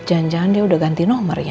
jangan jangan dia udah ganti nomornya